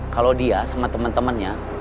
kalau dia sama temen temennya